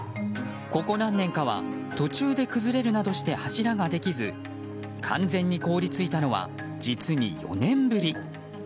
ここ何年かは途中で崩れるなどして柱ができず完全に凍り付いたのは実に４年ぶり。